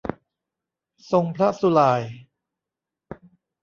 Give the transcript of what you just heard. ทรงพระสุหร่าย